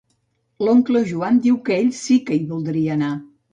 L'oncle Joan diu que ell sí que hi voldria anar.